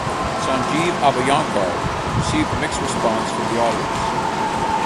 Sanjeev Abhyankar received mixed response from the audience.